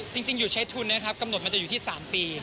จริงอยู่ใช้ทุนนะครับกำหนดมันจะอยู่ที่๓ปี